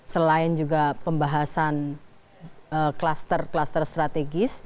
selain juga pembahasan kluster kluster strategis